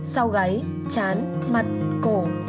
sau gáy chán mặt cổ